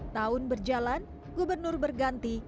tahun berjalan gubernur berganti